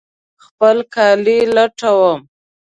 خپل کالي لټوم